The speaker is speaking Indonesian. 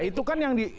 nah itu kan yang di